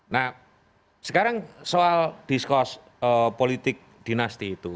nah sekarang soal diskus politik dinasti itu